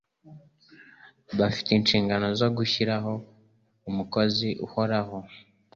bafite inshingano zo gushyiraho umukozi uhoraho